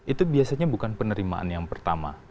itu biasanya bukan penerimaan yang pertama